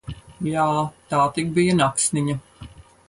Jā, tā tik bija naksniņa!